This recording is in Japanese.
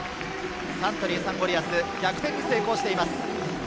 サントリーサンゴリアス、逆転に成功しています。